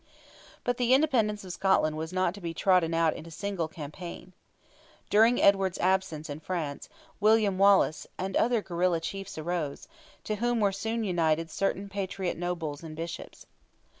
But the independence of Scotland was not to be trodden out in a single campaign. During Edward's absence in France, William Wallace and other guerilla chiefs arose, to whom were soon united certain patriot nobles and bishops.